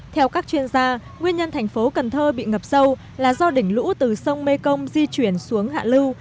theo các chuyên gia nguyên nhân thành phố cần thơ bị ngập sâu là do đỉnh lũ từ sông mê công di chuyển xuống hạ lưu